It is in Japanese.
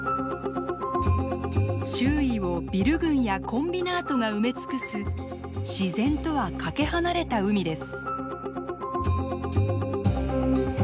周囲をビル群やコンビナートが埋め尽くす自然とはかけ離れた海です。